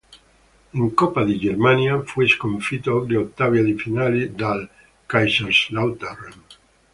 In Coppa di Germania fu sconfitto agli ottavi di finale dal Kaiserslautern.